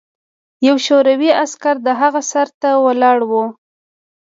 یو شوروي عسکر د هغه سر ته ولاړ و